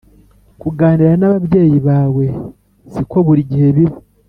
Kuganira n ‘ababyeyi bawe si ko buri gihe biba.